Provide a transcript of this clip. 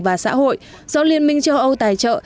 và xã hội do liên minh châu âu tài trợ